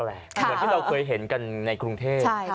เหมือนที่เราเคยเห็นกันในกรุงเทพ